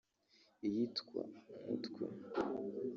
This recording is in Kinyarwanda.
iyitwa ’Umutwe’